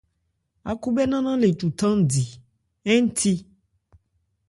Ákhúbhɛ́ nannán le cu thándi ń thi.